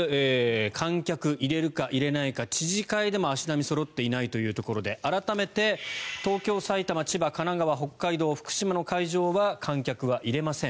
観客、入れるか入れないか知事会でも足並みがそろっていないというところで改めて東京、埼玉、千葉神奈川、北海道、福島の会場は観客は入れません。